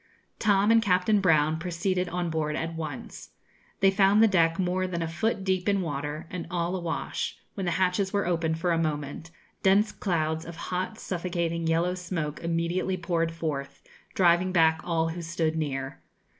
Tom and Captain Brown proceeded on board at once. They found the deck more than a foot deep in water, and all a wash; when the hatches were opened for a moment dense clouds of hot suffocating yellow smoke immediately poured forth, driving back all who stood near.